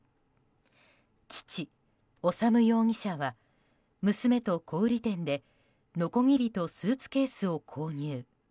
父・修容疑者は、娘と小売店でのこぎりとスーツケースを購入。